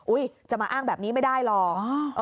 จะมาอ้างแบบนี้ไม่ได้หรอก